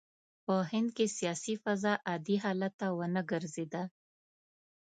په هند کې سیاسي فضا عادي حال ته ونه ګرځېده.